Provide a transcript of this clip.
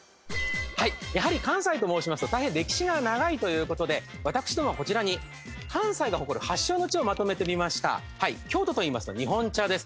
やはり関西と申しますと大変歴史が長いということで私どもはこちらに関西が誇る発祥の地をまとめてみました京都といいますと日本茶です